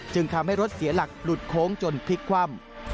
จึงทำให้รถเสียหลักหลุดโค้งจนพลิกคว่ำ